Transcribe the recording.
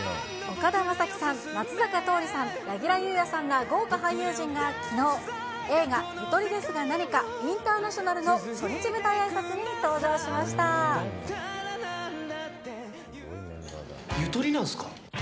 岡田将生さん、松坂桃李さん、柳楽優弥さんら豪華俳優陣がきのう、映画、ゆとりですがなにかインターナショナルの初日舞台あいさつに登場ゆとりなんすか？